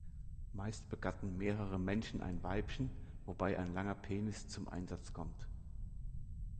Meist begatten mehrere Männchen ein Weibchen, wobei ein langer Penis zu Einsatz kommt.